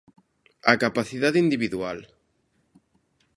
A capacidade individual.